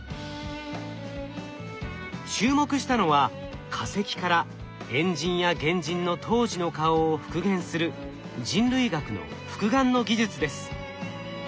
注目したのは化石から猿人や原人の当時の顔を復元する人類学の復顔の技術です。